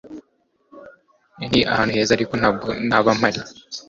Ni ahantu heza, ariko ntabwo naba mpari.